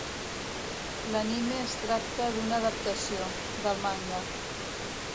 L'anime es tracta d'una adaptació, del manga.